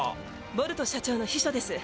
ボルト社長の秘書です。